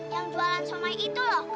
yang jualan somai itu lho kak